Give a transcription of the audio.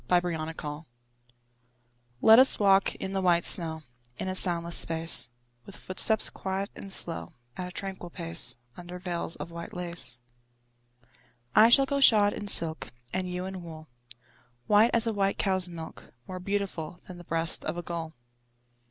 VELVET SHOES Let us walk in the white snow In a soundless space; With footsteps quiet and slow, At a tranquil pace, Under veils of white lace. I shall go shod in silk, And you in wool, White as a white cow's milk, More beautiful Than the breast of a gull.